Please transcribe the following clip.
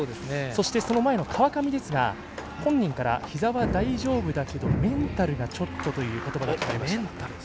そして、その前の川上ですが本人からひざは大丈夫ですがメンタルがちょっとという言葉が聞かれました。